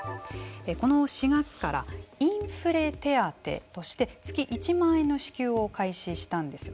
この４月からインフレ手当として月１万円の支給を開始したんです。